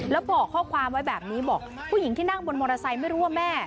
แล้วบอกข้อความไว้แบบนี้บอกผู้หญิงที่นั่งบนมอเตอร์ไซค์ไม่รู้ว่าแม่